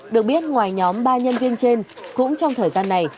được biết ngoài nhóm ba nhân viên trên cũng trong thời gian này